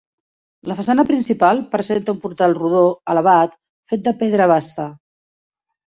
La façana principal presenta un portal rodó elevat fet de pedra basta.